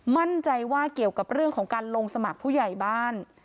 มั่นใจว่าเกี่ยวกับเรื่องของการลงสมัครผู้ใหญ่บ้าน